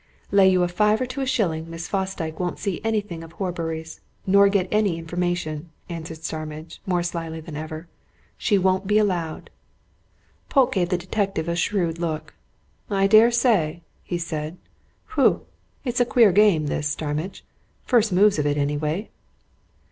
"Lay you a fiver to a shilling Miss Fosdyke won't see anything of Horbury's nor get any information!" answered Starmidge, more slyly than ever. "She won't be allowed!" Polke gave the detective a shrewd look. "I dare say!" he said. "Whew! it's a queer game, this, Starmidge. First moves of it, anyway."